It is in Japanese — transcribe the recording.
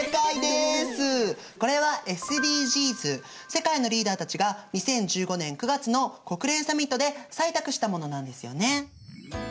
世界のリーダーたちが２０１５年９月の国連サミットで採択したものなんですよね。